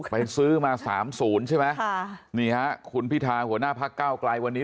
เป็นซื้อมาสามศูนย์ใช่ไหมคุณพิธาหัวหน้าพระเก้ากลายวันนี้